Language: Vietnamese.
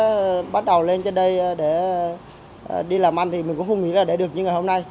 chín năm về trước bắt đầu lên trên đây để đi làm ăn thì mình cũng không nghĩ là để được như ngày hôm nay